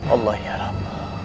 allah ya rab